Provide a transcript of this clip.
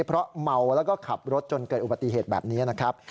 เพราะเมาแล้วก็ขับรถจนเกิดอุบัติเหตุแบบนี้นะครับ